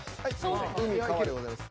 海川でございます。